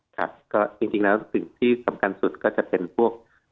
ครับก็จริงแล้วสิ่งที่สำคัญสุดก็จะเป็นพวก